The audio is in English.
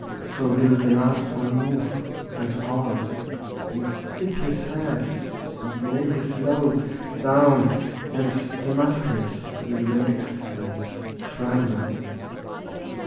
So will the last one move, And halt, and dip his head, and lay his load Down, and the muscles will relax and tremble.